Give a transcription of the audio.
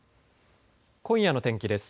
今夜の天気です。